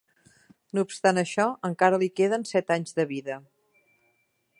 No obstant això, encara li queden set anys de vida.